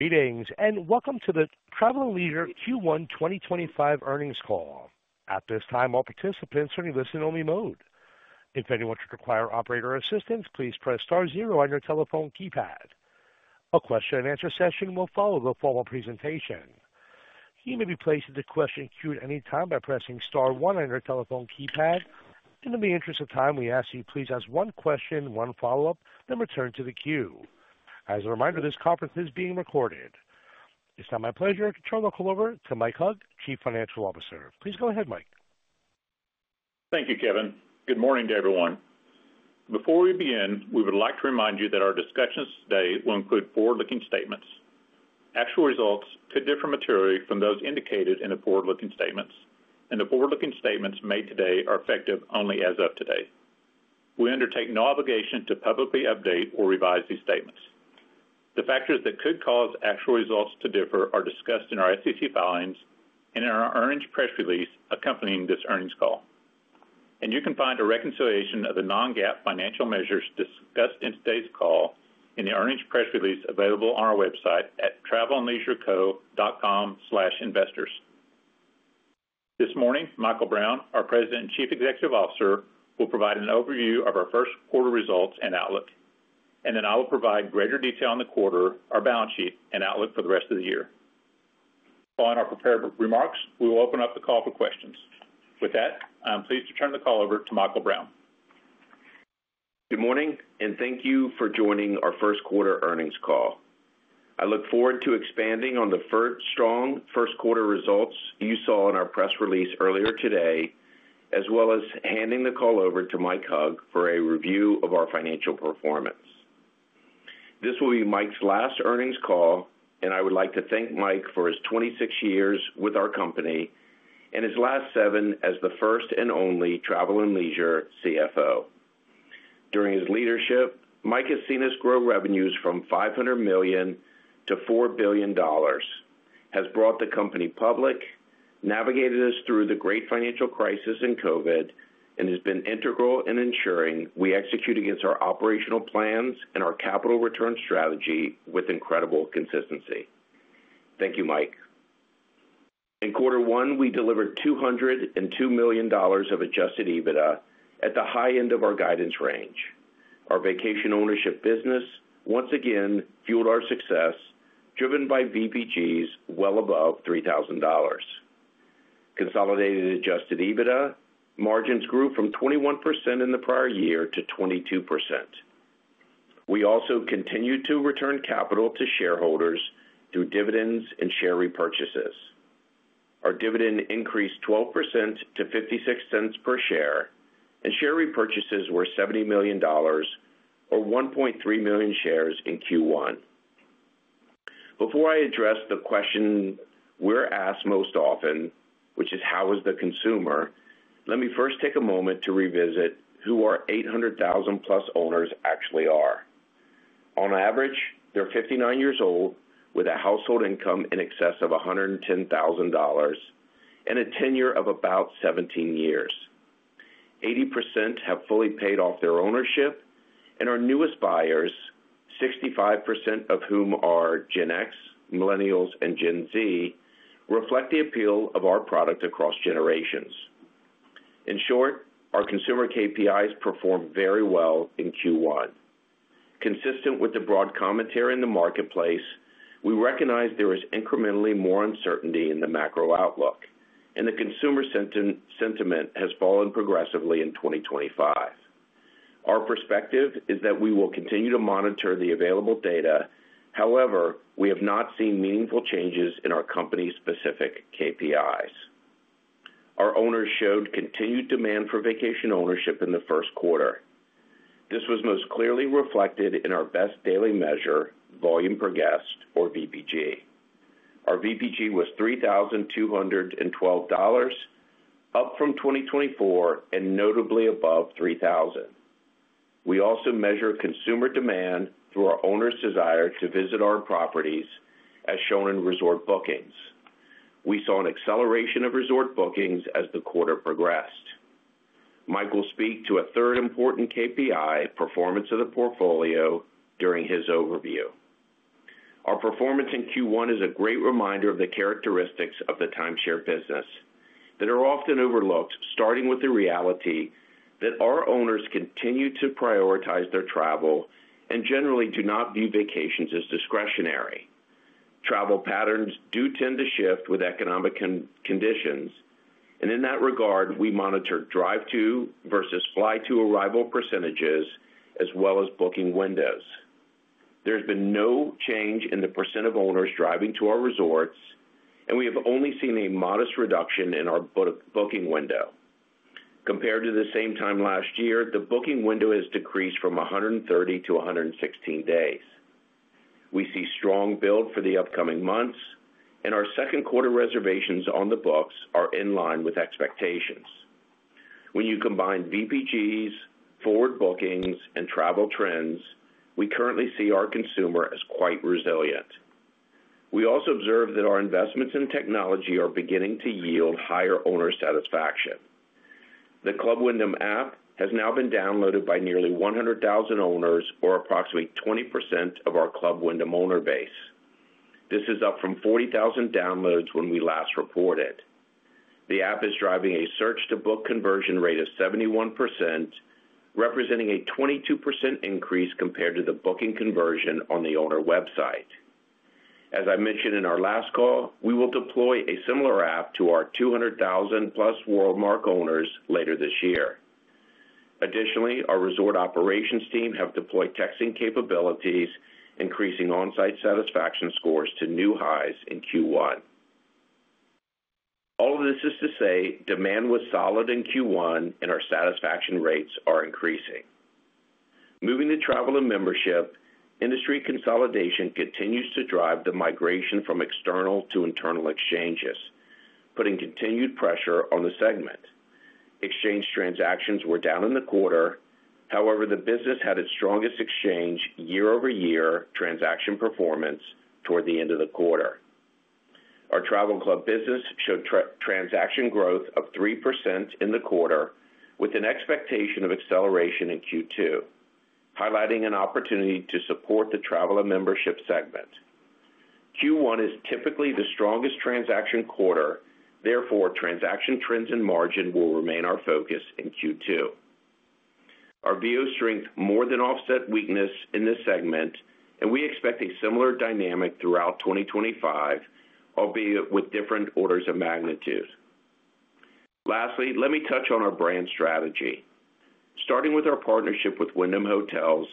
Greetings and welcome to the Travel + Leisure Q1 2025 earnings call. At this time, all participants are in listen-only mode. If anyone should require operator assistance, please press star zero on your telephone keypad. A question-and-answer session will follow the formal presentation. You may be placed into question queue at any time by pressing star one on your telephone keypad. In the interest of time, we ask that you please ask one question, one follow-up, then return to the queue. As a reminder, this conference is being recorded. It's now my pleasure to turn the call over to Mike Hug, Chief Financial Officer. Please go ahead, Mike. Thank you, Kevin. Good morning to everyone. Before we begin, we would like to remind you that our discussions today will include forward-looking statements. Actual results could differ materially from those indicated in the forward-looking statements, and the forward-looking statements made today are effective only as of today. We undertake no obligation to publicly update or revise these statements. The factors that could cause actual results to differ are discussed in our SEC filings and in our earnings press release accompanying this earnings call. You can find a reconciliation of the non-GAAP financial measures discussed in today's call in the earnings press release available on our website at travelandleisureco.com/investors. This morning, Michael Brown, our President and Chief Executive Officer, will provide an overview of our first quarter results and outlook. I will provide greater detail on the quarter, our balance sheet, and outlook for the rest of the year. Following our prepared remarks, we will open up the call for questions. With that, I'm pleased to turn the call over to Michael Brown. Good morning, and thank you for joining our first quarter earnings call. I look forward to expanding on the strong first quarter results you saw in our press release earlier today, as well as handing the call over to Mike Hug for a review of our financial performance. This will be Mike's last earnings call, and I would like to thank Mike for his 26 years with our company and his last seven as the first and only Travel + Leisure CFO. During his leadership, Mike has seen us grow revenues from $500 million to $4 billion, has brought the company public, navigated us through the great financial crisis and COVID, and has been integral in ensuring we execute against our operational plans and our capital return strategy with incredible consistency. Thank you, Mike. In quarter one, we delivered $202 million of adjusted EBITDA at the high end of our guidance range. Our vacation ownership business once again fueled our success, driven by VPGs well above $3,000. Consolidated adjusted EBITDA margins grew from 21% in the prior year to 22%. We also continued to return capital to shareholders through dividends and share repurchases. Our dividend increased 12% to $0.56 per share, and share repurchases were $70 million, or 1.3 million shares in Q1. Before I address the question we're asked most often, which is, "How is the consumer?" let me first take a moment to revisit who our 800,000-plus owners actually are. On average, they're 59 years old, with a household income in excess of $110,000 and a tenure of about 17 years. 80% have fully paid off their ownership, and our newest buyers, 65% of whom are Gen X, Millennials, and Gen Z, reflect the appeal of our product across generations. In short, our consumer KPIs performed very well in Q1. Consistent with the broad commentary in the marketplace, we recognize there is incrementally more uncertainty in the macro outlook, and the consumer sentiment has fallen progressively in 2025. Our perspective is that we will continue to monitor the available data; however, we have not seen meaningful changes in our company-specific KPIs. Our owners showed continued demand for vacation ownership in the first quarter. This was most clearly reflected in our best daily measure, volume per guest, or VPG. Our VPG was $3,212, up from 2024 and notably above 3,000. We also measure consumer demand through our owners' desire to visit our properties, as shown in resort bookings. We saw an acceleration of resort bookings as the quarter progressed. Mike will speak to a third important KPI, performance of the portfolio, during his overview. Our performance in Q1 is a great reminder of the characteristics of the timeshare business that are often overlooked, starting with the reality that our owners continue to prioritize their travel and generally do not view vacations as discretionary. Travel patterns do tend to shift with economic conditions, and in that regard, we monitor drive-to versus fly-to arrival percentages, as well as booking windows. There has been no change in the % of owners driving to our resorts, and we have only seen a modest reduction in our booking window. Compared to the same time last year, the booking window has decreased from 130 to 116 days. We see strong build for the upcoming months, and our second quarter reservations on the books are in line with expectations. When you combine VPGs, forward bookings, and travel trends, we currently see our consumer as quite resilient. We also observe that our investments in technology are beginning to yield higher owner satisfaction. The Club Wyndham app has now been downloaded by nearly 100,000 owners, or approximately 20% of our Club Wyndham owner base. This is up from 40,000 downloads when we last reported. The app is driving a search-to-book conversion rate of 71%, representing a 22% increase compared to the booking conversion on the owner website. As I mentioned in our last call, we will deploy a similar app to our 200,000-plus WorldMark owners later this year. Additionally, our resort operations team have deployed texting capabilities, increasing on-site satisfaction scores to new highs in Q1. All of this is to say demand was solid in Q1, and our satisfaction rates are increasing. Moving to travel and membership, industry consolidation continues to drive the migration from external to internal exchanges, putting continued pressure on the segment. Exchange transactions were down in the quarter. However, the business had its strongest exchange year-over-year transaction performance toward the end of the quarter. Our travel club business showed transaction growth of 3% in the quarter, with an expectation of acceleration in Q2, highlighting an opportunity to support the travel and membership segment. Q1 is typically the strongest transaction quarter. Therefore, transaction trends and margin will remain our focus in Q2. Our VO strength more than offset weakness in this segment, and we expect a similar dynamic throughout 2025, albeit with different orders of magnitude. Lastly, let me touch on our brand strategy. Starting with our partnership with Wyndham Hotels,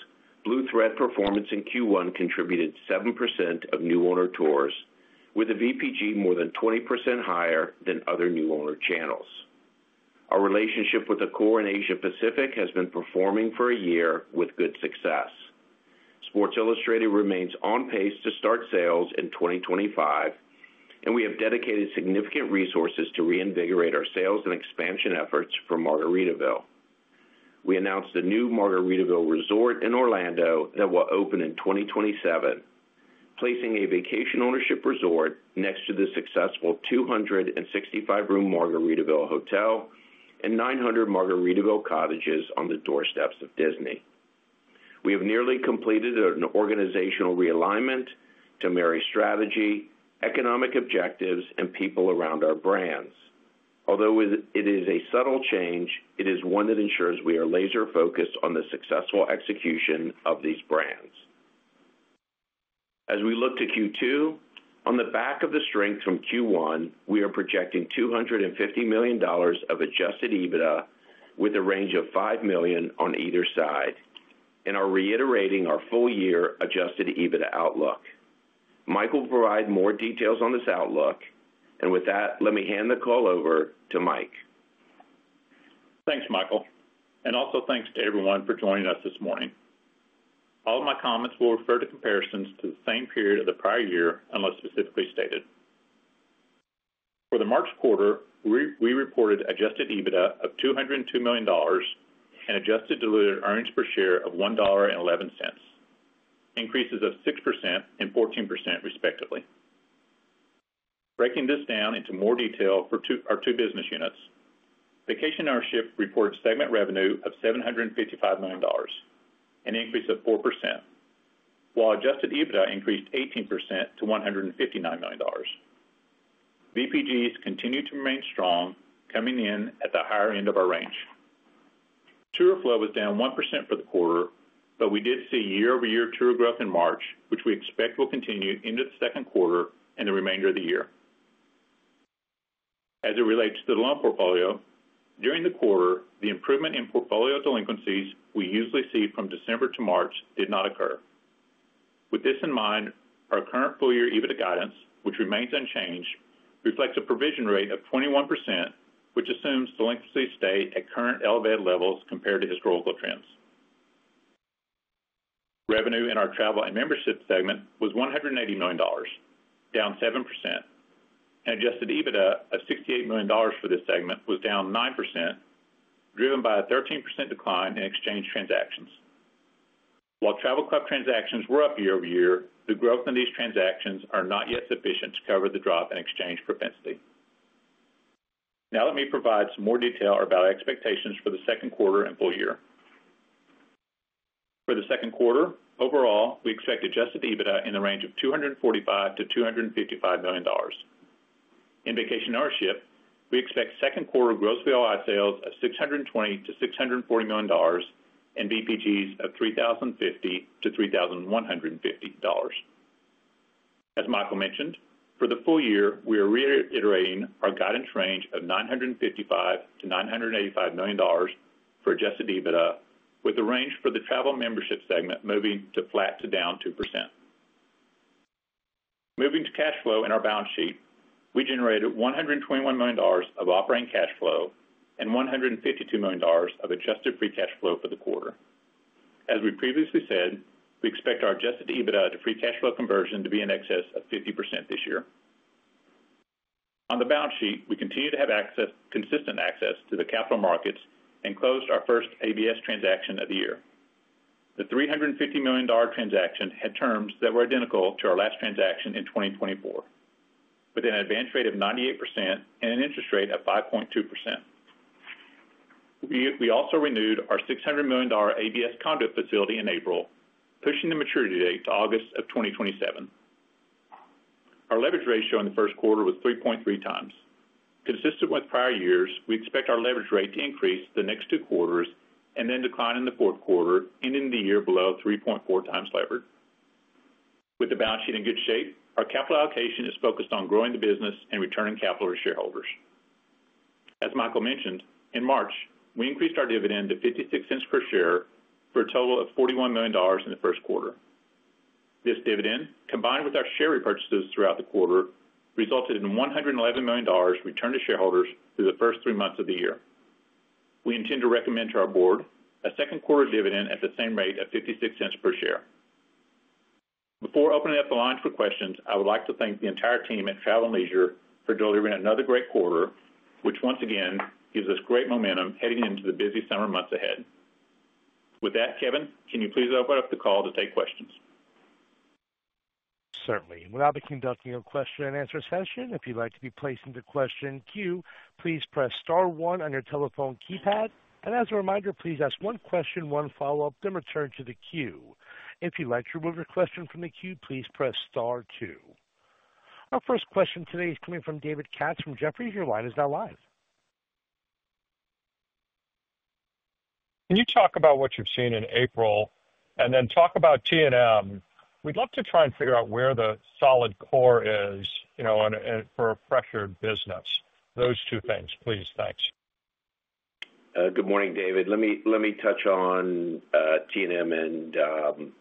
Blue Thread performance in Q1 contributed 7% of new owner tours, with a VPG more than 20% higher than other new owner channels. Our relationship with Accor in Asia-Pacific has been performing for a year with good success. Sports Illustrated remains on pace to start sales in 2025, and we have dedicated significant resources to reinvigorate our sales and expansion efforts for Margaritaville. We announced a new Margaritaville resort in Orlando that will open in 2027, placing a vacation ownership resort next to the successful 265-room Margaritaville Hotel and 900 Margaritaville Cottages on the doorsteps of Disney. We have nearly completed an organizational realignment to marry strategy, economic objectives, and people around our brands. Although it is a subtle change, it is one that ensures we are laser-focused on the successful execution of these brands. As we look to Q2, on the back of the strength from Q1, we are projecting $250 million of adjusted EBITDA, with a range of $5 million on either side, and are reiterating our full-year adjusted EBITDA outlook. Mike will provide more details on this outlook, and with that, let me hand the call over to Mike. Thanks, Michael. Thanks to everyone for joining us this morning. All of my comments will refer to comparisons to the same period of the prior year unless specifically stated. For the March quarter, we reported adjusted EBITDA of $202 million and adjusted delivered earnings per share of $1.11, increases of 6% and 14%, respectively. Breaking this down into more detail for our two business units, Vacation Ownership reported segment revenue of $755 million, an increase of 4%, while adjusted EBITDA increased 18% to $159 million. VPGs continue to remain strong, coming in at the higher end of our range. Tour flow was down 1% for the quarter, but we did see year-over-year tour growth in March, which we expect will continue into the second quarter and the remainder of the year. As it relates to the loan portfolio, during the quarter, the improvement in portfolio delinquencies we usually see from December to March did not occur. With this in mind, our current full-year EBITDA guidance, which remains unchanged, reflects a provision rate of 21%, which assumes delinquencies stay at current elevated levels compared to historical trends. Revenue in our Travel and Membership segment was $180 million, down 7%, and adjusted EBITDA of $68 million for this segment was down 9%, driven by a 13% decline in exchange transactions. While travel club transactions were up year-over-year, the growth in these transactions is not yet sufficient to cover the drop in exchange propensity. Now, let me provide some more detail about expectations for the second quarter and full year. For the second quarter, overall, we expect adjusted EBITDA in the range of $245 million-$255 million. In vacation ownership, we expect second quarter gross VOI sales of $620 million-$640 million and VPGs of $3,050-$3,150. As Michael mentioned, for the full year, we are reiterating our guidance range of $955 million-$985 million for adjusted EBITDA, with the range for the travel membership segment moving to flat to down 2%. Moving to cash flow in our balance sheet, we generated $121 million of operating cash flow and $152 million of adjusted free cash flow for the quarter. As we previously said, we expect our adjusted EBITDA to free cash flow conversion to be in excess of 50% this year. On the balance sheet, we continue to have consistent access to the capital markets and closed our first ABS transaction of the year. The $350 million transaction had terms that were identical to our last transaction in 2024, with an advance rate of 98% and an interest rate of 5.2%. We also renewed our $600 million ABS conduit facility in April, pushing the maturity date to August of 2027. Our leverage ratio in the first quarter was 3.3 times. Consistent with prior years, we expect our leverage rate to increase the next two quarters and then decline in the fourth quarter, ending the year below 3.4 times levered. With the balance sheet in good shape, our capital allocation is focused on growing the business and returning capital to shareholders. As Michael mentioned, in March, we increased our dividend to $0.56 per share for a total of $41 million in the first quarter. This dividend, combined with our share repurchases throughout the quarter, resulted in $111 million returned to shareholders through the first three months of the year. We intend to recommend to our board a second quarter dividend at the same rate of $0.56 per share. Before opening up the lines for questions, I would like to thank the entire team at Travel + Leisure for delivering another great quarter, which once again gives us great momentum heading into the busy summer months ahead. With that, Kevin, can you please open up the call to take questions? Certainly. Without the conducting of question and answer session, if you'd like to be placed into question queue, please press star one on your telephone keypad. As a reminder, please ask one question, one follow-up, then return to the queue. If you'd like to remove your question from the queue, please press star two. Our first question today is coming from David Katz from Jefferies, and your line is now live. Can you talk about what you've seen in April and then talk about T&M? We'd love to try and figure out where the solid core is for a pressured business. Those two things, please. Thanks. Good morning, David. Let me touch on T&M and vacation ownership,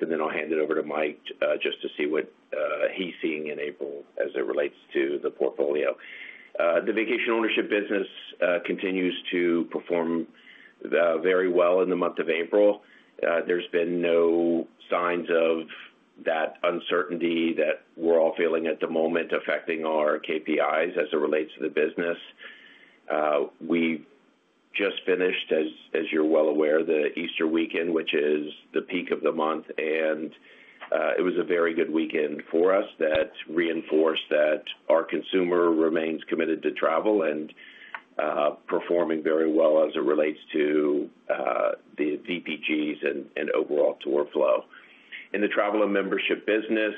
and then I'll hand it over to Mike just to see what he's seeing in April as it relates to the portfolio. The vacation ownership business continues to perform very well in the month of April. There's been no signs of that uncertainty that we're all feeling at the moment affecting our KPIs as it relates to the business. We just finished, as you're well aware, the Easter weekend, which is the peak of the month, and it was a very good weekend for us that reinforced that our consumer remains committed to travel and performing very well as it relates to the VPGs and overall tour flow. In the travel and membership business,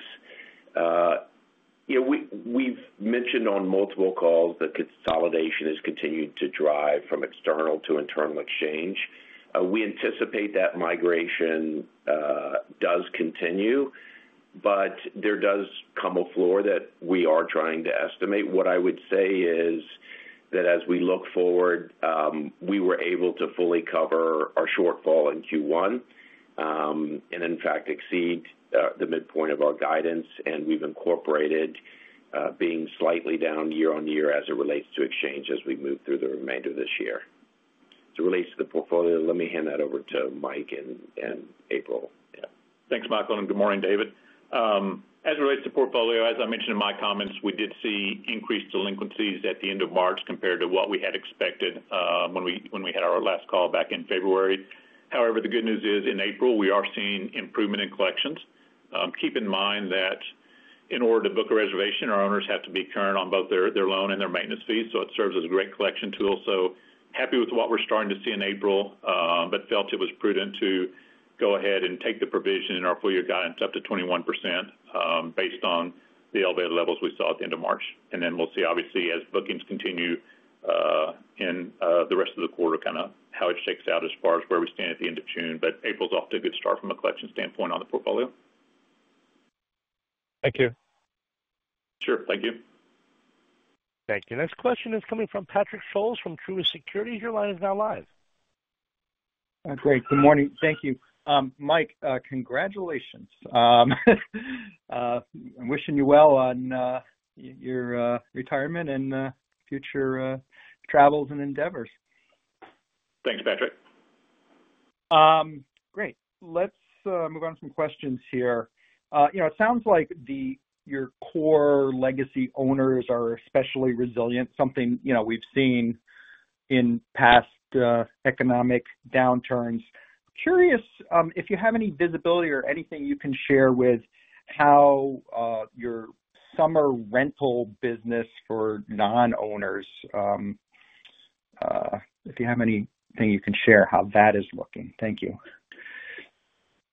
we've mentioned on multiple calls that consolidation has continued to drive from external to internal exchange. We anticipate that migration does continue, but there does come a floor that we are trying to estimate. What I would say is that as we look forward, we were able to fully cover our shortfall in Q1 and, in fact, exceed the midpoint of our guidance, and we've incorporated being slightly down year-on-year as it relates to exchange as we move through the remainder of this year. As it relates to the portfolio, let me hand that over to Mike and April. Thanks, Michael, and good morning, David. As it relates to portfolio, as I mentioned in my comments, we did see increased delinquencies at the end of March compared to what we had expected when we had our last call back in February. However, the good news is in April, we are seeing improvement in collections. Keep in mind that in order to book a reservation, our owners have to be current on both their loan and their maintenance fees, so it serves as a great collection tool. Happy with what we're starting to see in April, but felt it was prudent to go ahead and take the provision in our full-year guidance up to 21% based on the elevated levels we saw at the end of March. We will see, obviously, as bookings continue in the rest of the quarter, kind of how it shakes out as far as where we stand at the end of June. April's off to a good start from a collection standpoint on the portfolio. Thank you. Sure. Thank you. Thank you. Next question is coming from Patrick Scholes from Truist Securities. Your line is now live. Great. Good morning. Thank you. Mike, congratulations. I'm wishing you well on your retirement and future travels and endeavors. Thanks, Patrick. Great. Let's move on to some questions here. It sounds like your core legacy owners are especially resilient, something we've seen in past economic downturns. Curious if you have any visibility or anything you can share with how your summer rental business for non-owners, if you have anything you can share how that is looking. Thank you.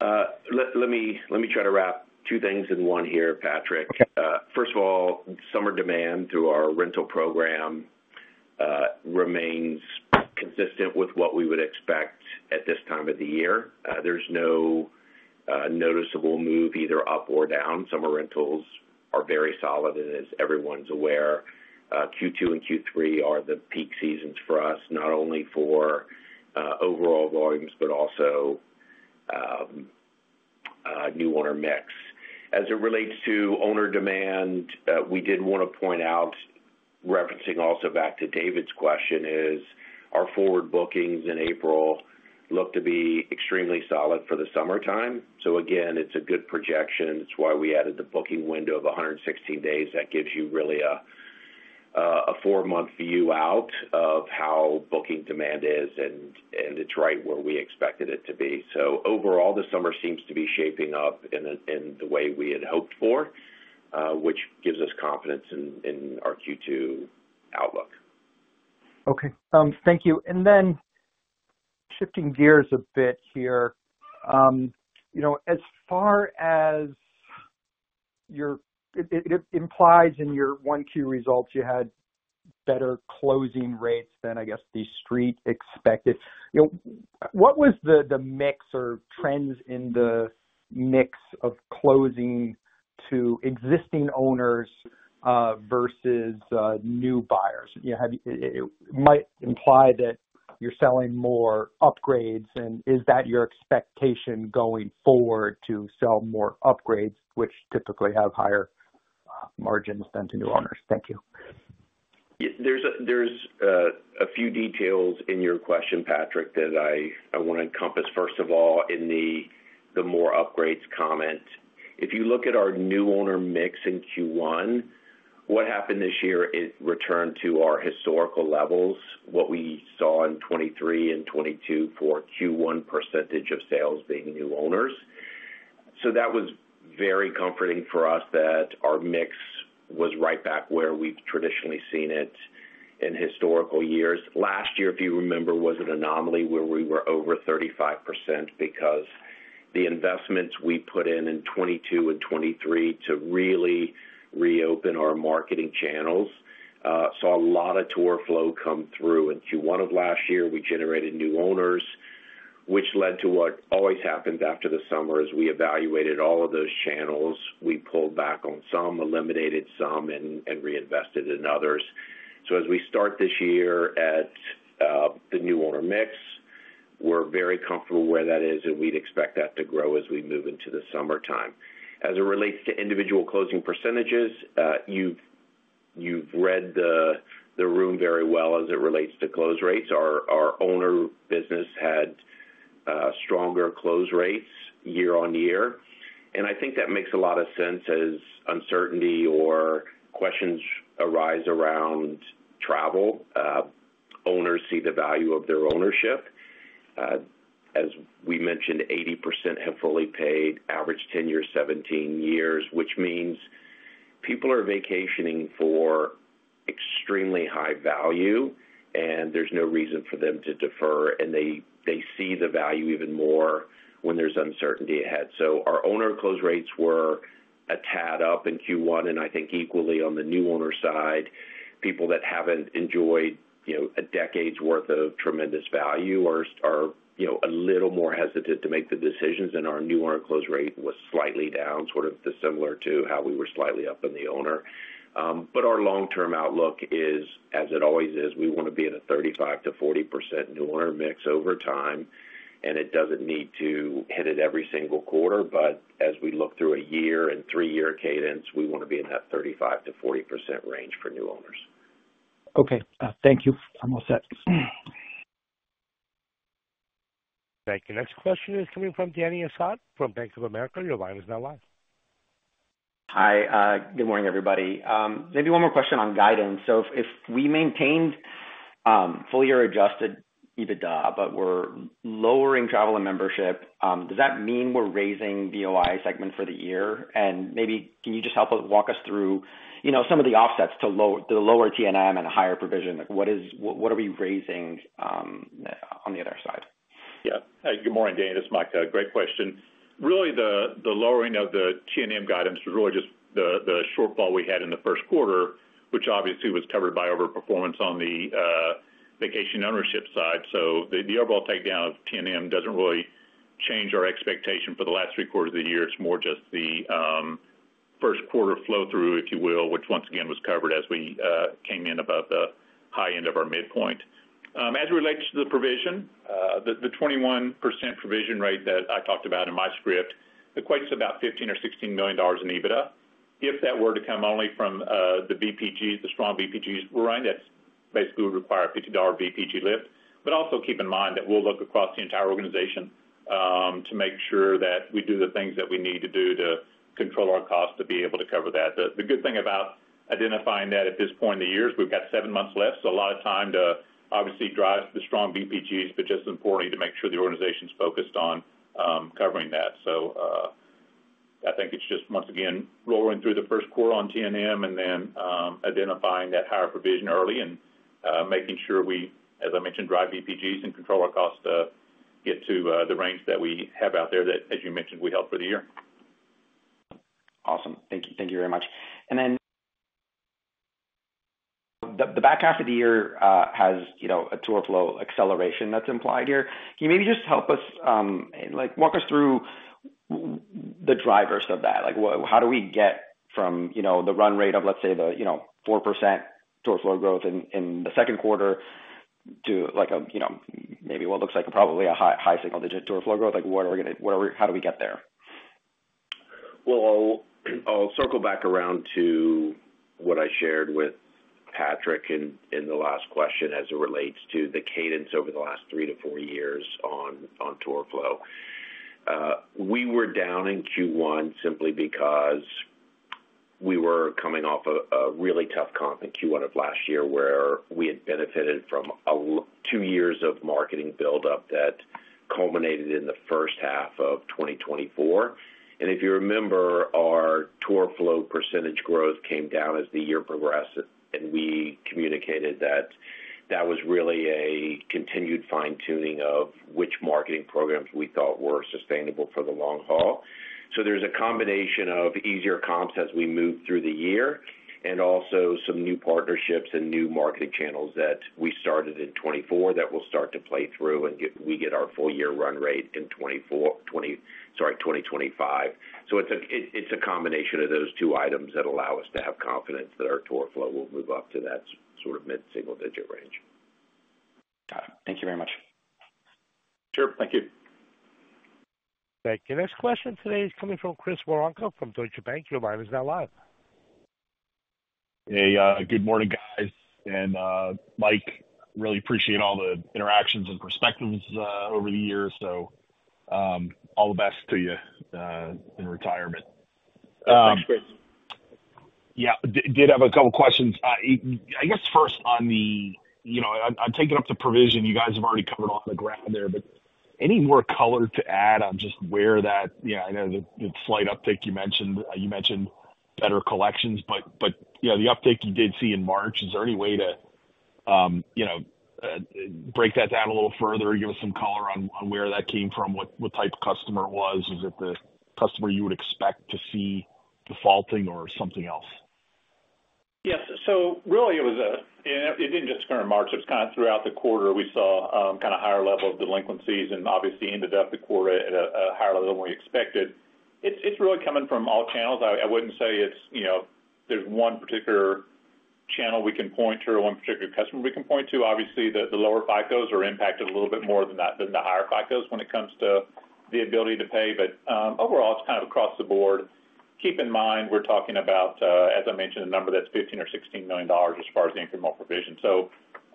Let me try to wrap two things in one here, Patrick. First of all, summer demand through our rental program remains consistent with what we would expect at this time of the year. There is no noticeable move either up or down. Summer rentals are very solid, and as everyone's aware, Q2 and Q3 are the peak seasons for us, not only for overall volumes but also new owner mix. As it relates to owner demand, we did want to point out, referencing also back to David's question, is our forward bookings in April look to be extremely solid for the summertime. It is a good projection. It is why we added the booking window of 116 days. That gives you really a four-month view out of how booking demand is, and it is right where we expected it to be. Overall, the summer seems to be shaping up in the way we had hoped for, which gives us confidence in our Q2 outlook. Okay. Thank you. Shifting gears a bit here, as far as it implies in your Q1 results, you had better closing rates than, I guess, the street expected. What was the mix or trends in the mix of closing to existing owners versus new buyers? It might imply that you're selling more upgrades, and is that your expectation going forward to sell more upgrades, which typically have higher margins than to new owners? Thank you. There's a few details in your question, Patrick, that I want to encompass. First of all, in the more upgrades comment, if you look at our new owner mix in Q1, what happened this year returned to our historical levels, what we saw in 2023 and 2022 for Q1 percentage of sales being new owners. That was very comforting for us that our mix was right back where we've traditionally seen it in historical years. Last year, if you remember, was an anomaly where we were over 35% because the investments we put in in 2022 and 2023 to really reopen our marketing channels saw a lot of tour flow come through. In Q1 of last year, we generated new owners, which led to what always happens after the summer. As we evaluated all of those channels, we pulled back on some, eliminated some, and reinvested in others. As we start this year at the new owner mix, we're very comfortable where that is, and we'd expect that to grow as we move into the summertime. As it relates to individual closing percentages, you've read the room very well as it relates to close rates. Our owner business had stronger close rates year-on-year. I think that makes a lot of sense as uncertainty or questions arise around travel. Owners see the value of their ownership. As we mentioned, 80% have fully paid, average 10 years, 17 years, which means people are vacationing for extremely high value, and there's no reason for them to defer. They see the value even more when there's uncertainty ahead. Our owner close rates were a tad up in Q1, and I think equally on the new owner side, people that have not enjoyed a decade's worth of tremendous value are a little more hesitant to make the decisions. Our new owner close rate was slightly down, sort of similar to how we were slightly up on the owner. Our long-term outlook is, as it always is, we want to be in a 35%-40% new owner mix over time, and it does not need to hit it every single quarter. As we look through a year and three-year cadence, we want to be in that 35%-40% range for new owners. Okay. Thank you. I'm all set. Thank you. Next question is coming from Dany Asad from Bank of America. Your line is now live. Hi. Good morning, everybody. Maybe one more question on guidance. If we maintained fully our adjusted EBITDA, but we're lowering Travel and Membership, does that mean we're raising the VOI segment for the year? Maybe can you just help us walk us through some of the offsets to the lower T&M and a higher provision? What are we raising on the other side? Yeah. Hey, good morning, Dany. This is Mike. Great question. Really, the lowering of the T&M guidance was really just the shortfall we had in the first quarter, which obviously was covered by overperformance on the Vacation Ownership side. The overall takedown of T&M doesn't really change our expectation for the last three quarters of the year. It's more just the first quarter flow-through, if you will, which once again was covered as we came in about the high end of our midpoint. As it relates to the provision, the 21% provision rate that I talked about in my script equates to about $15 million or $16 million in EBITDA. If that were to come only from the VPGs, the strong VPGs, we're right. That basically would require a $50 VPG lift. Also keep in mind that we'll look across the entire organization to make sure that we do the things that we need to do to control our costs to be able to cover that. The good thing about identifying that at this point in the year is we've got seven months left, so a lot of time to obviously drive the strong VPGs, but just importantly to make sure the organization's focused on covering that. I think it's just, once again, rolling through the first quarter on T&M and then identifying that higher provision early and making sure we, as I mentioned, drive VPGs and control our costs to get to the range that we have out there that, as you mentioned, we held for the year. Awesome. Thank you very much. The back half of the year has a tour flow acceleration that's implied here. Can you maybe just help us and walk us through the drivers of that? How do we get from the run rate of, let's say, the 4% tour flow growth in the second quarter to maybe what looks like probably a high single-digit tour flow growth? How do we get there? I'll circle back around to what I shared with Patrick in the last question as it relates to the cadence over the last three to four years on tour flow. We were down in Q1 simply because we were coming off a really tough Q1 of last year where we had benefited from two years of marketing buildup that culminated in the first half of 2024. If you remember, our tour flow percentage growth came down as the year progressed, and we communicated that that was really a continued fine-tuning of which marketing programs we thought were sustainable for the long haul. There is a combination of easier comps as we move through the year and also some new partnerships and new marketing channels that we started in 2024 that will start to play through and we get our full-year run rate in 2024, sorry, 2025. It is a combination of those two items that allow us to have confidence that our tour flow will move up to that sort of mid-single-digit range. Got it. Thank you very much. Sure. Thank you. Thank you. Next question today is coming from Chris Woronka from Deutsche Bank. Your line is now live. Hey, good morning, guys. Mike, really appreciate all the interactions and perspectives over the year. All the best to you in retirement. Thanks, Chris. Yeah. Did have a couple of questions. I guess first on the I'll take it up to provision. You guys have already covered a lot of ground there, but any more color to add on just where that I know the slight uptick you mentioned better collections, but the uptick you did see in March, is there any way to break that down a little further, give us some color on where that came from, what type of customer it was? Was it the customer you would expect to see defaulting or something else? Yes. So really, it didn't just occur in March. It was kind of throughout the quarter. We saw kind of higher level of delinquencies and obviously ended up the quarter at a higher level than we expected. It's really coming from all channels. I wouldn't say there's one particular channel we can point to or one particular customer we can point to. Obviously, the lower FICOs are impacted a little bit more than the higher FICOs when it comes to the ability to pay. Overall, it's kind of across the board. Keep in mind, we're talking about, as I mentioned, a number that's $15 million or $16 million as far as the incremental provision.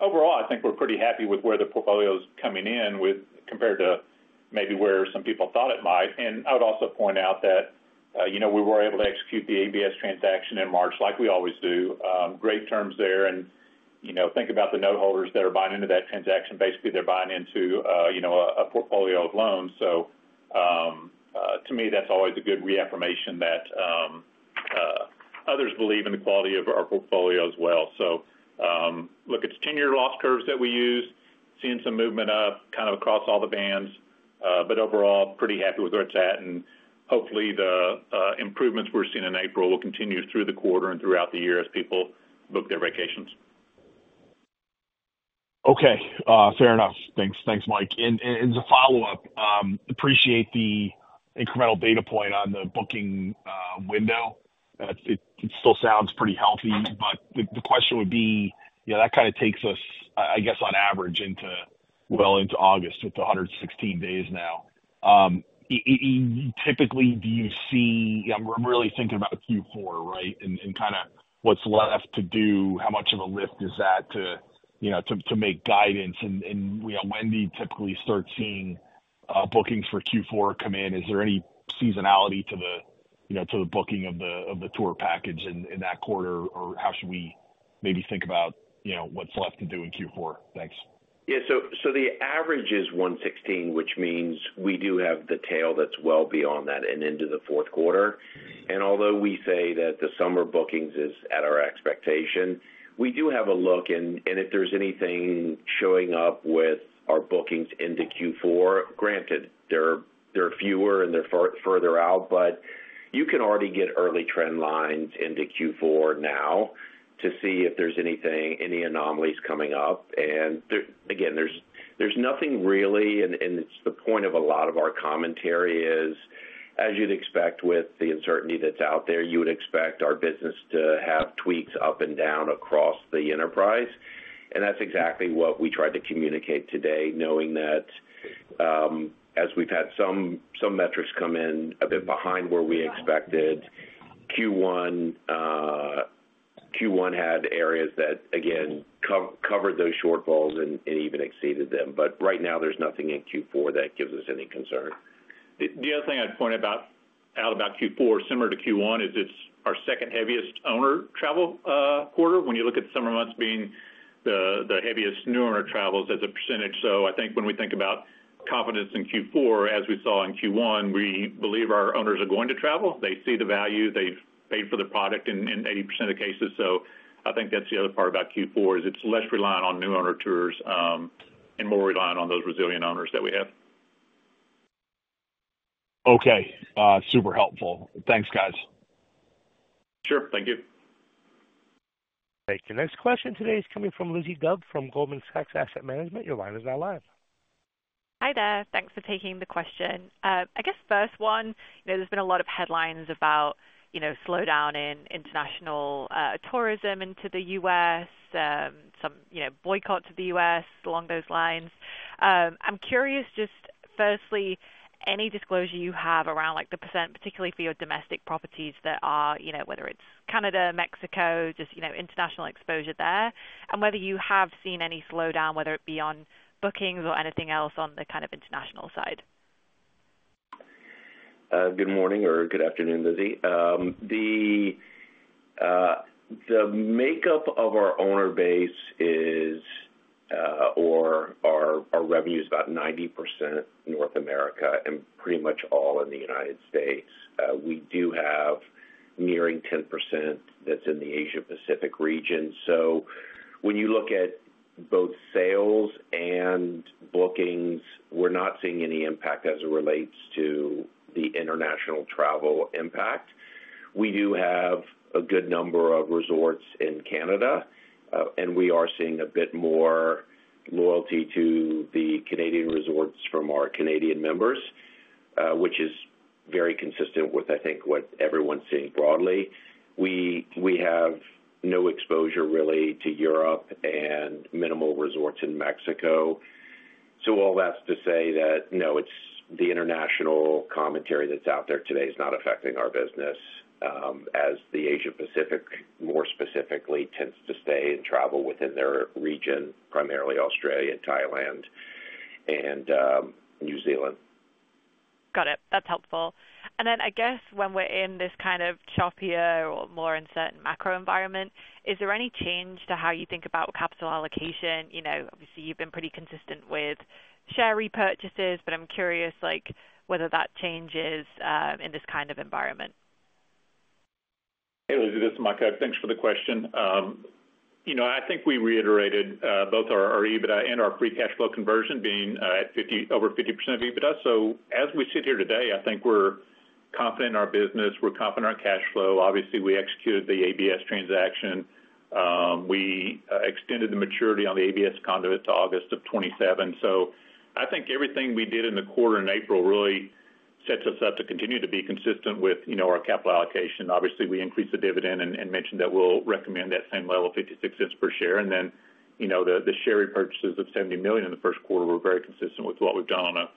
Overall, I think we're pretty happy with where the portfolio is coming in compared to maybe where some people thought it might. I would also point out that we were able to execute the ABS transaction in March, like we always do. Great terms there. Think about the noteholders that are buying into that transaction. Basically, they're buying into a portfolio of loans. To me, that's always a good reaffirmation that others believe in the quality of our portfolio as well. Look at the 10-year loss curves that we use, seeing some movement up kind of across all the bands. Overall, pretty happy with where it's at. Hopefully, the improvements we're seeing in April will continue through the quarter and throughout the year as people book their vacations. Okay. Fair enough. Thanks, Mike. As a follow-up, appreciate the incremental data point on the booking window. It still sounds pretty healthy, but the question would be, that kind of takes us, I guess, on average well into August with 116 days now. Typically, do you see, I'm really thinking about Q4, right, and kind of what's left to do, how much of a lift is that to make guidance? When do you typically start seeing bookings for Q4 come in? Is there any seasonality to the booking of the tour package in that quarter, or how should we maybe think about what's left to do in Q4? Thanks. Yeah. The average is 116, which means we do have the tail that's well beyond that and into the fourth quarter. Although we say that the summer bookings is at our expectation, we do have a look. If there's anything showing up with our bookings into Q4, granted, they're fewer and they're further out, but you can already get early trend lines into Q4 now to see if there's any anomalies coming up. Again, there's nothing really. It's the point of a lot of our commentary, as you'd expect with the uncertainty that's out there, you would expect our business to have tweaks up and down across the enterprise. That's exactly what we tried to communicate today, knowing that as we've had some metrics come in a bit behind where we expected, Q1 had areas that, again, covered those shortfalls and even exceeded them. Right now, there's nothing in Q4 that gives us any concern. The other thing I'd point out about Q4, similar to Q1, is it's our second heaviest owner travel quarter. When you look at the summer months being the heaviest new owner travels as a percentage. I think when we think about confidence in Q4, as we saw in Q1, we believe our owners are going to travel. They see the value. They've paid for the product in 80% of cases. I think that's the other part about Q4 is it's less reliant on new owner tours and more reliant on those resilient owners that we have. Okay. Super helpful. Thanks, guys. Sure. Thank you. Thank you. Next question today is coming from Lizzie Dove from Goldman Sachs Asset Management. Your line is now live. Hi there. Thanks for taking the question. I guess first one, there's been a lot of headlines about slowdown in international tourism into the U.S., some boycotts of the U.S., along those lines. I'm curious just firstly, any disclosure you have around the percent, particularly for your domestic properties that are whether it's Canada, Mexico, just international exposure there, and whether you have seen any slowdown, whether it be on bookings or anything else on the kind of international side. Good morning or good afternoon, Lizzie. The makeup of our owner base is or our revenue is about 90% North America and pretty much all in the United States. We do have nearing 10% that's in the Asia-Pacific region. When you look at both sales and bookings, we're not seeing any impact as it relates to the international travel impact. We do have a good number of resorts in Canada, and we are seeing a bit more loyalty to the Canadian resorts from our Canadian members, which is very consistent with, I think, what everyone's seeing broadly. We have no exposure really to Europe and minimal resorts in Mexico. All that's to say that, no, the international commentary that's out there today is not affecting our business as the Asia-Pacific, more specifically, tends to stay and travel within their region, primarily Australia, Thailand, and New Zealand. Got it. That's helpful. I guess when we're in this kind of choppier or more uncertain macro environment, is there any change to how you think about capital allocation? Obviously, you've been pretty consistent with share repurchases, but I'm curious whether that changes in this kind of environment. Hey, Lizzie. This is Mike Hug. Thanks for the question. I think we reiterated both our EBITDA and our free cash flow conversion being over 50% of EBITDA. As we sit here today, I think we're confident in our business. We're confident in our cash flow. Obviously, we executed the ABS transaction. We extended the maturity on the ABS conduit to August of 2027. I think everything we did in the quarter in April really sets us up to continue to be consistent with our capital allocation. Obviously, we increased the dividend and mentioned that we'll recommend that same level of $0.56 per share. The share repurchases of $70 million in the first quarter were very consistent with what we've done on a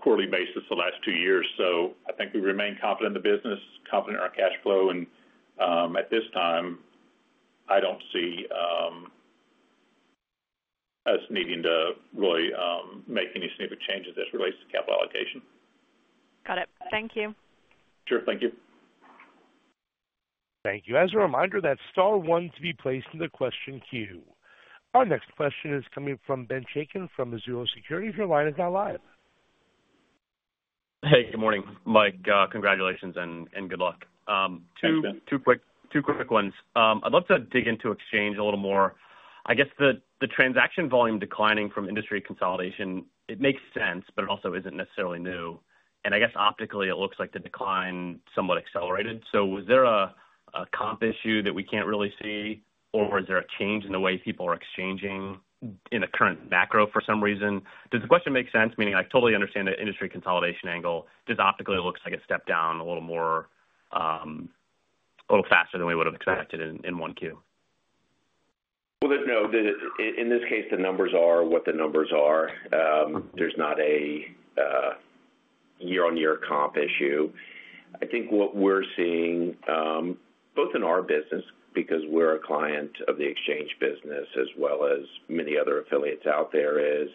quarterly basis the last two years. I think we remain confident in the business, confident in our cash flow. At this time, I don't see us needing to really make any significant changes as it relates to capital allocation. Got it. Thank you. Sure. Thank you. Thank you. As a reminder, that is star one to be placed in the question queue. Our next question is coming from Ben Chaiken fromMizuho Securities. Your line is now live. Hey, good morning. Mike, congratulations and good luck. Two quick ones. I'd love to dig into exchange a little more. I guess the transaction volume declining from industry consolidation, it makes sense, but it also isn't necessarily new. I guess optically, it looks like the decline somewhat accelerated. Was there a comp issue that we can't really see, or was there a change in the way people are exchanging in the current macro for some reason? Does the question make sense? I totally understand the industry consolidation angle. Just optically, it looks like it stepped down a little faster than we would have expected in Q1. No. In this case, the numbers are what the numbers are. There's not a year-on-year comp issue. I think what we're seeing, both in our business, because we're a client of the exchange business as well as many other affiliates out there, is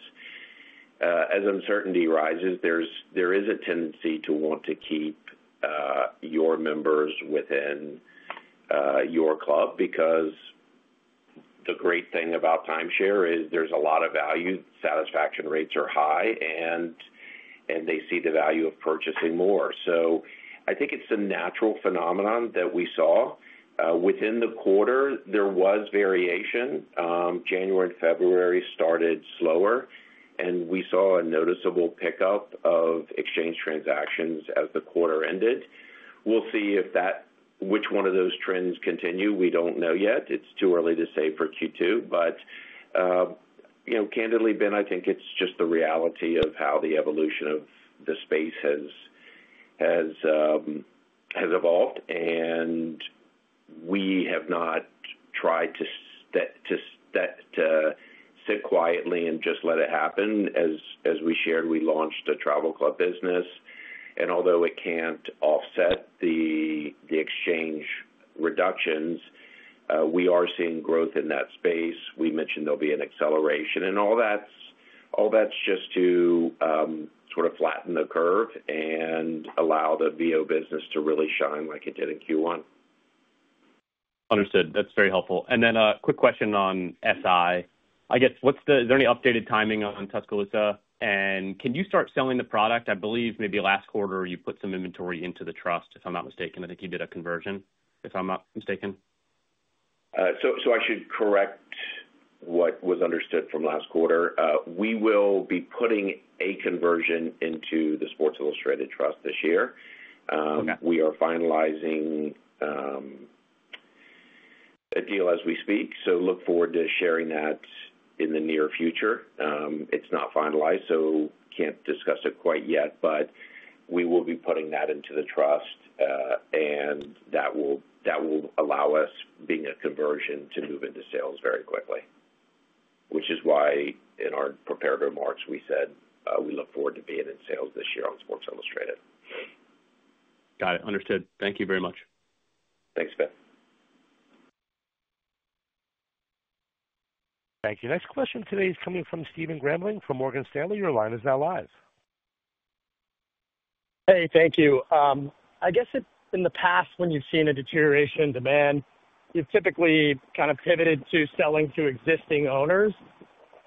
as uncertainty rises, there is a tendency to want to keep your members within your club because the great thing about timeshare is there's a lot of value. Satisfaction rates are high, and they see the value of purchasing more. I think it's a natural phenomenon that we saw. Within the quarter, there was variation. January and February started slower, and we saw a noticeable pickup of exchange transactions as the quarter ended. We'll see which one of those trends continue. We don't know yet. It's too early to say for Q2. Candidly, Ben, I think it's just the reality of how the evolution of the space has evolved, and we have not tried to sit quietly and just let it happen. As we shared, we launched a travel club business. Although it can't offset the exchange reductions, we are seeing growth in that space. We mentioned there'll be an acceleration. All that's just to sort of flatten the curve and allow the VO business to really shine like it did in Q1. Understood. That's very helpful. A quick question on SI. I guess, is there any updated timing on Tuscaloosa? Can you start selling the product? I believe maybe last quarter, you put some inventory into the trust, if I'm not mistaken. I think you did a conversion, if I'm not mistaken. I should correct what was understood from last quarter. We will be putting a conversion into the Sports Illustrated trust this year. We are finalizing a deal as we speak. Look forward to sharing that in the near future. It's not finalized, so can't discuss it quite yet, but we will be putting that into the trust, and that will allow us, being a conversion, to move into sales very quickly, which is why in our preparatory remarks, we said we look forward to being in sales this year on Sports Illustrated. Got it. Understood. Thank you very much. Thanks, Ben. Thank you. Next question today is coming from Stephen Grambling from Morgan Stanley. Your line is now live. Hey, thank you. I guess in the past, when you've seen a deterioration in demand, you've typically kind of pivoted to selling to existing owners.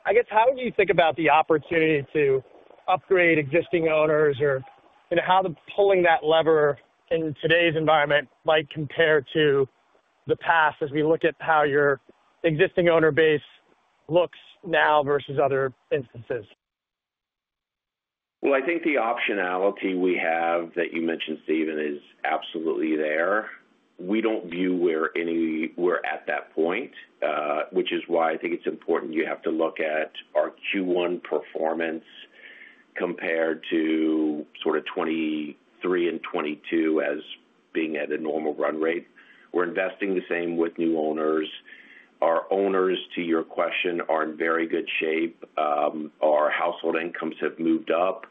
I guess, how do you think about the opportunity to upgrade existing owners or how the pulling that lever in today's environment might compare to the past as we look at how your existing owner base looks now versus other instances? I think the optionality we have that you mentioned, Steven, is absolutely there. We do not view where we are at that point, which is why I think it is important you have to look at our Q1 performance compared to sort of 2023 and 2022 as being at a normal run rate. We are investing the same with new owners. Our owners, to your question, are in very good shape. Our household incomes have moved up.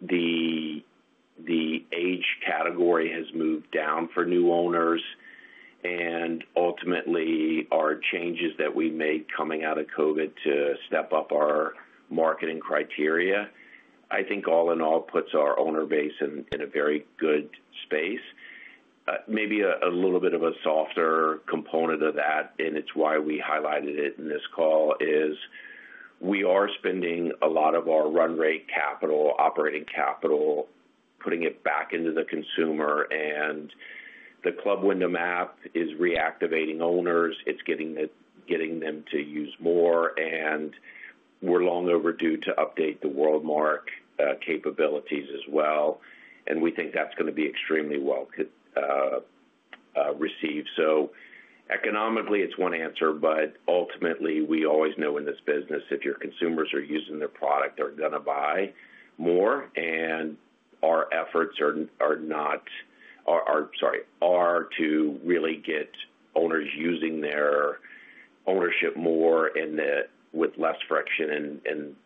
The age category has moved down for new owners. Ultimately, our changes that we made coming out of COVID to step up our marketing criteria, I think all in all puts our owner base in a very good space. Maybe a little bit of a softer component of that, and it's why we highlighted it in this call, is we are spending a lot of our run rate capital, operating capital, putting it back into the consumer. And the Club Wyndham app is reactivating owners. It's getting them to use more. And we're long overdue to update the WorldMark capabilities as well. We think that's going to be extremely well received. Economically, it's one answer, but ultimately, we always know in this business if your consumers are using their product, they're going to buy more. Our efforts are not—sorry—are to really get owners using their ownership more with less friction.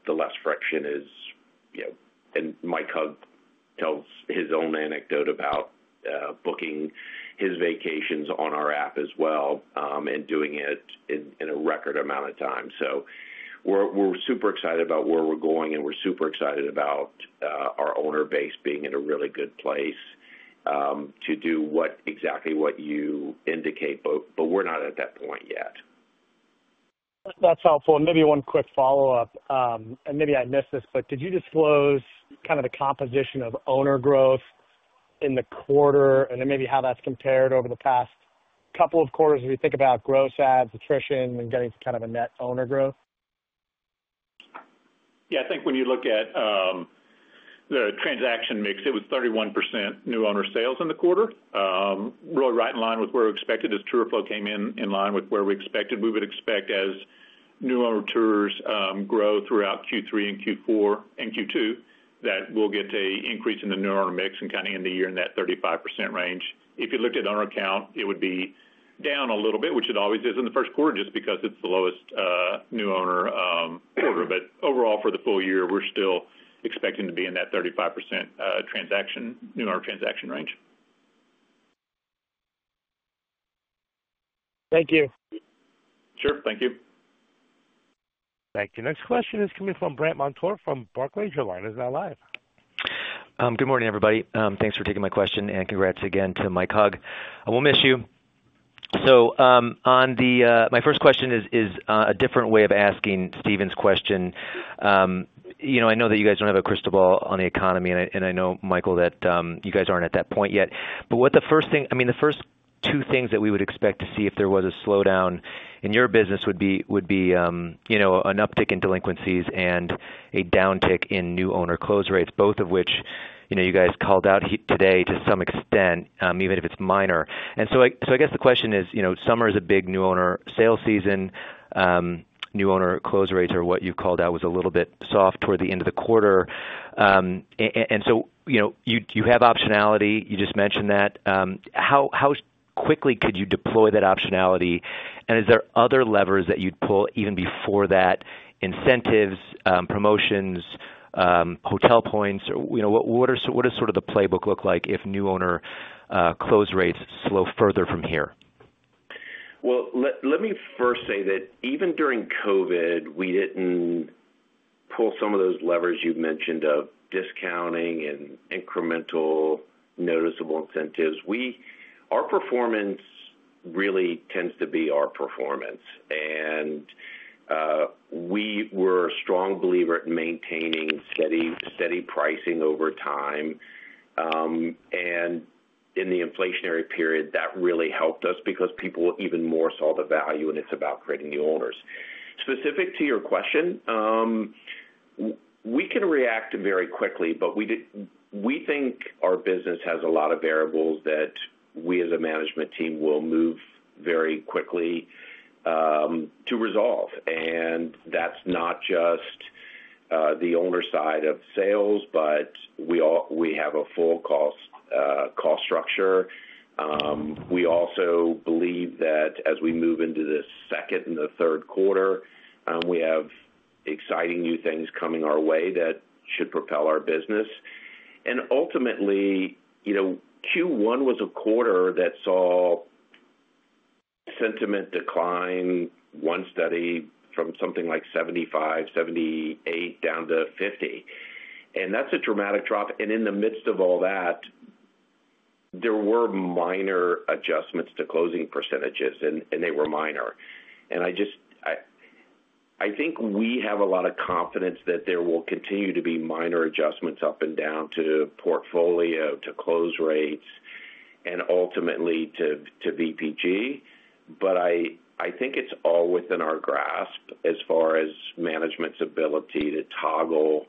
The less friction is—and Mike Hug tells his own anecdote about booking his vacations on our app as well and doing it in a record amount of time. We're super excited about where we're going, and we're super excited about our owner base being in a really good place to do exactly what you indicate, but we're not at that point yet. That's helpful. Maybe one quick follow-up. Maybe I missed this, but could you disclose kind of the composition of owner growth in the quarter and then maybe how that's compared over the past couple of quarters as we think about gross ads, attrition, and getting to kind of a net owner growth? Yeah. I think when you look at the transaction mix, it was 31% new owner sales in the quarter, really right in line with where we expected. As tour flow came in, in line with where we expected. We would expect as new owner tours grow throughout Q3 and Q4 and Q2 that we'll get an increase in the new owner mix and kind of end the year in that 35% range. If you looked at owner count, it would be down a little bit, which it always is in the first quarter just because it's the lowest new owner quarter. Overall, for the full year, we're still expecting to be in that 35% new owner transaction range. Thank you. Sure. Thank you. Thank you. Next question is coming from Brandt Montour from Barclays. Your line is now live. Good morning, everybody. Thanks for taking my question and congrats again to Mike Hug. We'll miss you. My first question is a different way of asking Steven's question. I know that you guys don't have a crystal ball on the economy, and I know, Michael, that you guys aren't at that point yet. What the first thing—I mean, the first two things that we would expect to see if there was a slowdown in your business would be an uptick in delinquencies and a downtick in new owner close rates, both of which you guys called out today to some extent, even if it's minor. I guess the question is summer is a big new owner sales season. New owner close rates are what you called out was a little bit soft toward the end of the quarter. You have optionality. You just mentioned that. How quickly could you deploy that optionality? Is there other levers that you'd pull even before that? Incentives, promotions, hotel points? What does sort of the playbook look like if new owner close rates slow further from here? Let me first say that even during COVID, we did not pull some of those levers you have mentioned of discounting and incremental noticeable incentives. Our performance really tends to be our performance. We were a strong believer in maintaining steady pricing over time. In the inflationary period, that really helped us because people even more saw the value, and it is about creating new owners. Specific to your question, we can react very quickly, but we think our business has a lot of variables that we, as a management team, will move very quickly to resolve. That is not just the owner side of sales, but we have a full-cost structure. We also believe that as we move into the second and the third quarter, we have exciting new things coming our way that should propel our business. Ultimately, Q1 was a quarter that saw sentiment decline, one study from something like 75, 78 down to 50. That is a dramatic drop. In the midst of all that, there were minor adjustments to closing percentages, and they were minor. I think we have a lot of confidence that there will continue to be minor adjustments up and down to portfolio, to close rates, and ultimately to VPG. I think it is all within our grasp as far as management's ability to toggle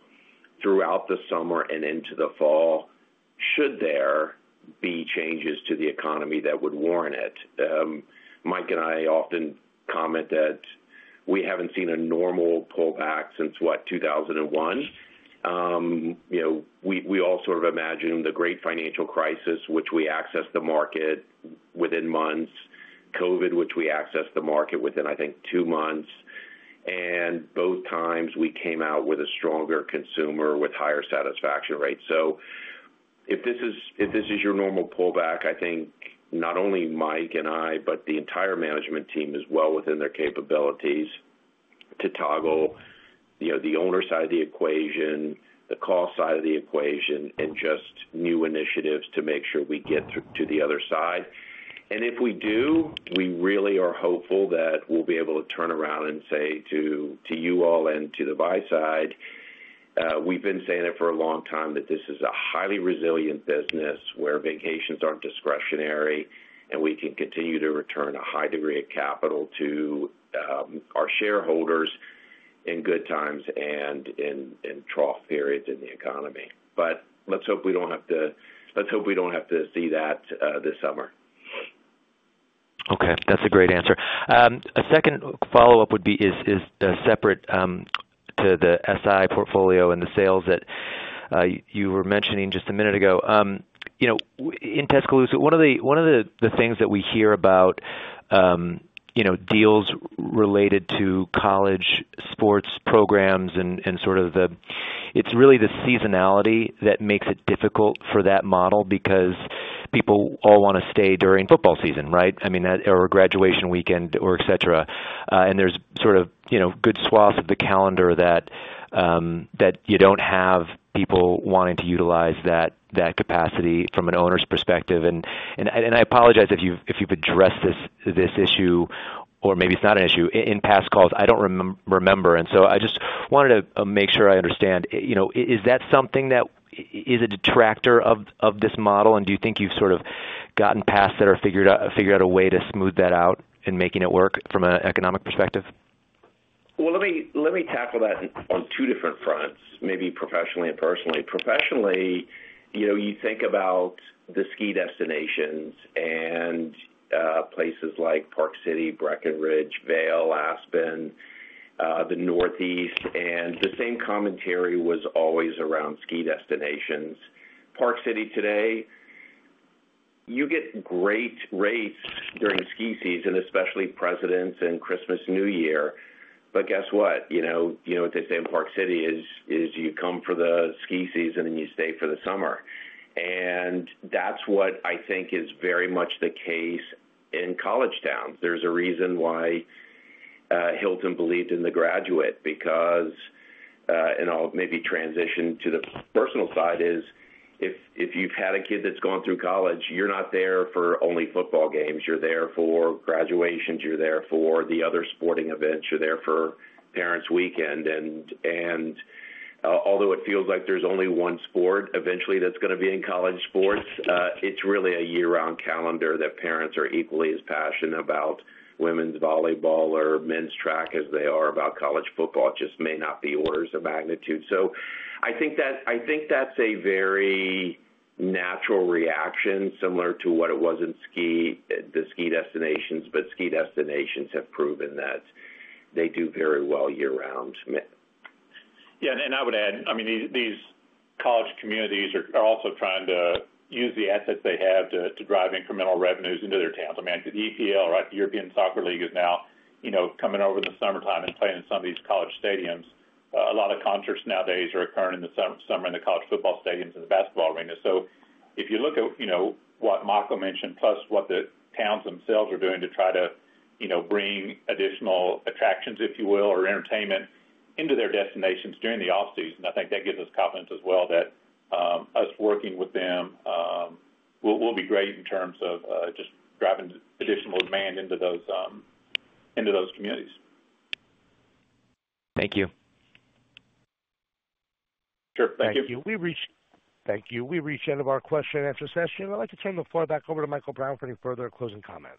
throughout the summer and into the fall should there be changes to the economy that would warrant it. Mike and I often comment that we have not seen a normal pullback since, what, 2001. We all sort of imagined the great financial crisis, which we accessed the market within months, COVID, which we accessed the market within, I think, two months. Both times, we came out with a stronger consumer with higher satisfaction rates. If this is your normal pullback, I think not only Mike and I, but the entire management team is well within their capabilities to toggle the owner side of the equation, the cost side of the equation, and just new initiatives to make sure we get to the other side. If we do, we really are hopeful that we'll be able to turn around and say to you all and to the buy side, we've been saying it for a long time that this is a highly resilient business where vacations aren't discretionary and we can continue to return a high degree of capital to our shareholders in good times and in trough periods in the economy. Let's hope we don't have to see that this summer. Okay. That's a great answer. A second follow-up would be separate to the SI portfolio and the sales that you were mentioning just a minute ago. In Tuscaloosa, one of the things that we hear about deals related to college sports programs and sort of the—it's really the seasonality that makes it difficult for that model because people all want to stay during football season, right? I mean, or graduation weekend, or etc. There are sort of good swaths of the calendar that you don't have people wanting to utilize that capacity from an owner's perspective. I apologize if you've addressed this issue, or maybe it's not an issue. In past calls, I don't remember. I just wanted to make sure I understand. Is that something that is a detractor of this model? Do you think you've sort of gotten past that or figured out a way to smooth that out in making it work from an economic perspective? Let me tackle that on two different fronts, maybe professionally and personally. Professionally, you think about the ski destinations and places like Park City, Breckenridge, Vail, Aspen, the Northeast. The same commentary was always around ski destinations. Park City today, you get great rates during ski season, especially President's and Christmas New Year. Guess what? You know what they say in Park City is you come for the ski season and you stay for the summer. That is what I think is very much the case in college towns. There is a reason why Hilton believed in the Graduate because—maybe I will transition to the personal side—is if you have had a kid that has gone through college, you are not there for only football games. You are there for graduations. You are there for the other sporting events. You are there for parents' weekend. Although it feels like there is only one sport eventually that is going to be in college sports, it is really a year-round calendar that parents are equally as passionate about women's volleyball or men's track as they are about college football. It just may not be orders of magnitude. I think that is a very natural reaction similar to what it was in the ski destinations, but ski destinations have proven that they do very well year-round. Yeah. I would add, I mean, these college communities are also trying to use the assets they have to drive incremental revenues into their towns. I mean, the EPL, right, the European soccer league is now coming over in the summertime and playing in some of these college stadiums. A lot of concerts nowadays are occurring in the summer in the college football stadiums and the basketball arenas. If you look at what Michael mentioned plus what the towns themselves are doing to try to bring additional attractions, if you will, or entertainment into their destinations during the off-season, I think that gives us confidence as well that us working with them will be great in terms of just driving additional demand into those communities. Thank you. Sure. Thank you. Thank you. We reached the end of our question-and-answer session. I'd like to turn the floor back over to Michael Brown for any further closing comments.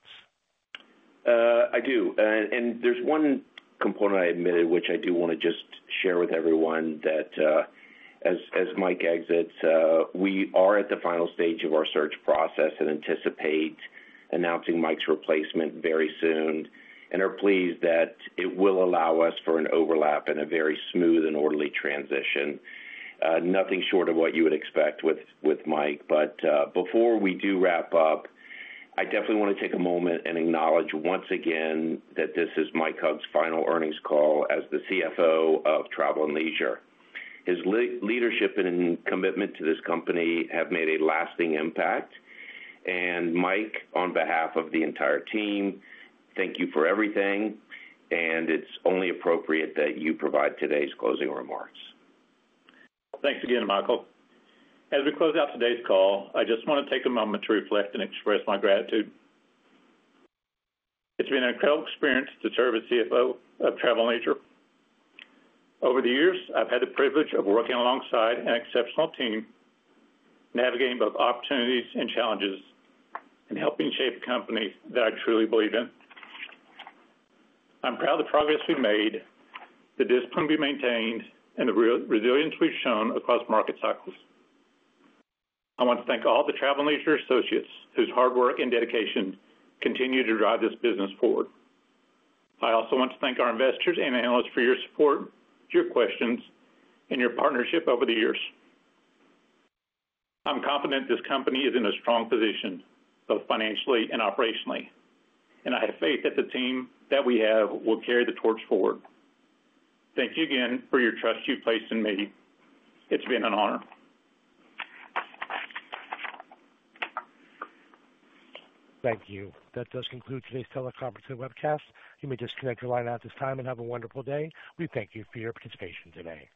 I do. There is one component I omitted, which I do want to just share with everyone that as Mike exits, we are at the final stage of our search process and anticipate announcing Mike's replacement very soon and are pleased that it will allow us for an overlap and a very smooth and orderly transition. Nothing short of what you would expect with Mike. Before we wrap up, I definitely want to take a moment and acknowledge once again that this is Mike Hug's final earnings call as the CFO of Travel + Leisure. His leadership and commitment to this company have made a lasting impact. Mike, on behalf of the entire team, thank you for everything. It is only appropriate that you provide today's closing remarks. Thanks again, Michael. As we close out today's call, I just want to take a moment to reflect and express my gratitude. It's been an incredible experience to serve as CFO of Travel + Leisure. Over the years, I've had the privilege of working alongside an exceptional team, navigating both opportunities and challenges, and helping shape companies that I truly believe in. I'm proud of the progress we've made, the discipline we've maintained, and the resilience we've shown across market cycles. I want to thank all the Travel + Leisure associates whose hard work and dedication continue to drive this business forward. I also want to thank our investors and analysts for your support, your questions, and your partnership over the years. I'm confident this company is in a strong position both financially and operationally. I have faith that the team that we have will carry the torch forward. Thank you again for your trust you've placed in me. It's been an honor. Thank you. That does conclude today's teleconference and webcast. You may disconnect your line at this time and have a wonderful day. We thank you for your participation today.